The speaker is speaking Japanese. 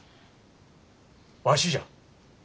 わしじゃ。